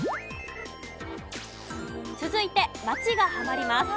続いて町がはまります。